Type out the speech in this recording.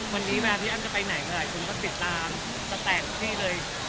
วันนี้พี่อ้ามจะไปไหนก็หลายคนก็ติดตามจะแตกให้เลย